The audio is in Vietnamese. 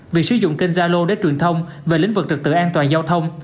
việc sử dụng kênh gia lô đến truyền thông về lĩnh vực trật tự an toàn giao thông